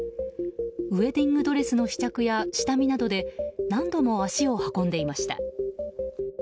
ウェディングドレスの試着や下見などで何度も足を運んでいました。